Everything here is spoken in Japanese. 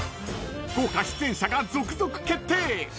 豪華出演者が続々決定！